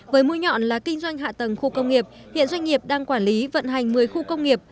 với mũi nhọn là kinh doanh hạ tầng khu công nghiệp hiện doanh nghiệp đang quản lý vận hành một mươi khu công nghiệp